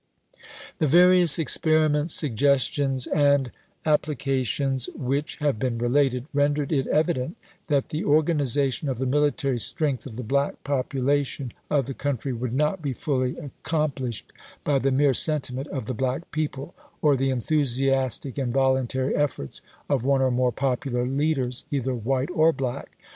The various experiments, suggestions, and appli cations which have been related rendered it evident that the organization of the military strength of the black population of the country would not be fully accomplished by the mere sentiment of the black people, or the enthusiastic and voluntary efforts of one or more popular leaders, either white or black.